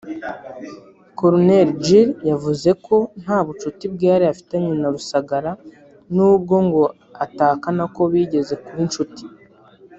Col Jill yavuze ko nta bucuti bwihariye afitanye na Rusagara nubwo ngo atahakana ko bigeze kuba inshuti